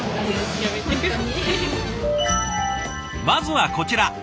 まずはこちら。